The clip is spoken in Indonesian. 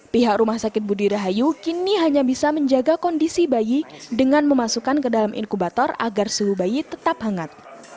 pihak rumah sakit budi rahayu kini hanya bisa menjaga kondisi bayi dengan memasukkan ke dalam inkubator agar suhu bayi tetap hangat